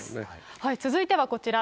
続いてはこちら。